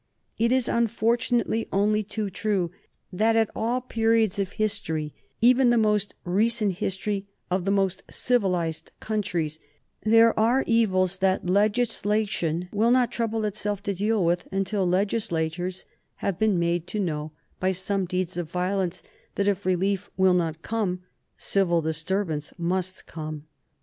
It is unfortunately only too true that, at all periods of history, even the most recent history of the most civilized countries, there are evils that legislation will not trouble itself to deal with until legislators have been made to know by some deeds of violence that if relief will not come, civil disturbance must come.